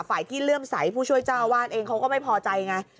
ฝ่ายที่เลื่อมใสผู้ช่วยเจ้าอาวาสเองเขาก็ไม่พอใจไง